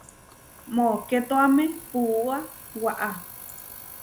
Mokétoame puúa waʼá.